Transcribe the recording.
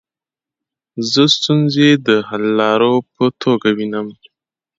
زه ستونزي د حللارو په توګه وینم.